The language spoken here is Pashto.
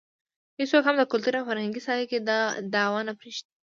هېڅوک هم د کلتوري او فرهنګي ساحه کې دعوه نه پرېږدي.